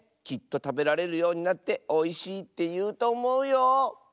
きっとたべられるようになっておいしいっていうとおもうよ。